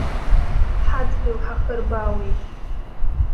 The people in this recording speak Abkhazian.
Ҳадгьыл ҳахырбаауеит.